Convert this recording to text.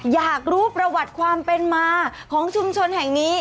อยากรู้ประวัติความเป็นมาของชุมชนแห่งนี้